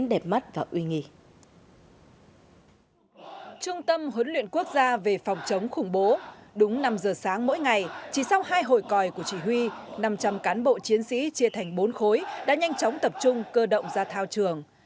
đúng năm giờ sáng mỗi ngày chỉ sau hai hồi còi của chỉ huy năm trăm linh cán bộ chiến sĩ chia thành bốn khối đã nhanh chóng tập trung cơ động ra thao trường